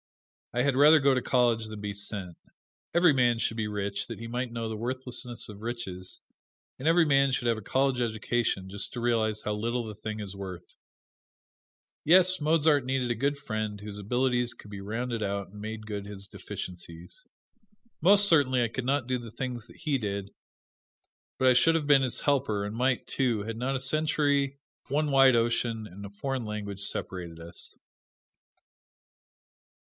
I had rather go to college than be sent. Every man should get rich, that he might know the worthlessness of riches; and every man should have a college education, just to realize how little the thing is worth. Yes, Mozart needed a good friend whose abilities could have rounded out and made good his deficiencies. Most certainly I could not do the things that he did, but I should have been his helper, and might, too, had not a century, one wide ocean, and a foreign language separated us.